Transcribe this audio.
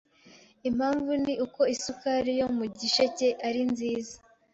Impamvu ni uko isukari yo mu gisheke ari nziza